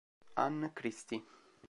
Ann Christy